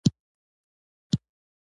ځینې ژاولې د ماشومانو د خوښې وړ وي.